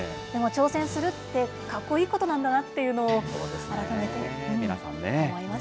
でも挑戦するってかっこいいことなんだなっていうことを、改皆さんね。